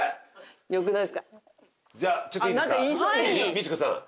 ミチコさん。